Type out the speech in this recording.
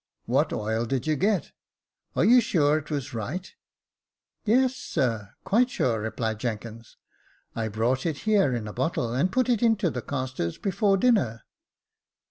What oil did you get ?— are you sure it was right ?"" Yes, sir, quite sure," replied Jenkins. " I brought it here in a bottle, and put it into the castors before dinner."